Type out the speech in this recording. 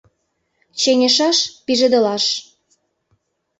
Чеҥешаш — пижедылаш.